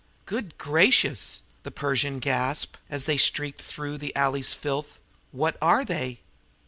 "Good gracious!" the Persian gasped, as they streaked through the alley's filth. "What are they?"